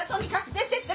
出てって。